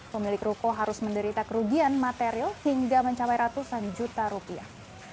pemilik ruko harus menderita kerugian material hingga mencapai ratusan juta rupiah